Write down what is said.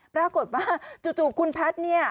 ปรากฏว่าจู่คุณแพทย์เนี่ย